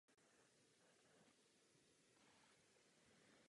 Pro ni bylo důležité zajištěné spojení s domovem a odborná zpravodajská činnost.